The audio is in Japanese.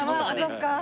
そっか。